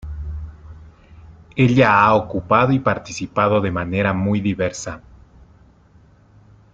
Ella ha ocupado y participado de manera muy diversa.